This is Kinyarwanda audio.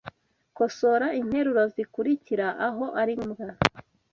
Kosora interuro zikurikira aho ari ngombwa